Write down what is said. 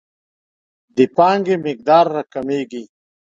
د پانګې مقدار راکمیږي.